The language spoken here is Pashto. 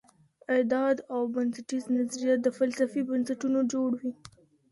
اعداد او بنسټیز نظریات د فلسفې بنسټونه جوړوي.